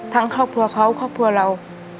ครอบครัวเขาครอบครัวเรา